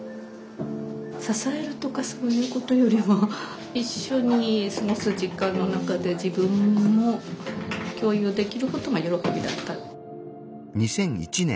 支えるとかそういうことよりも一緒に過ごす時間の中で自分も共有できることが喜びだった。